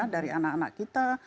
dari anak anak kita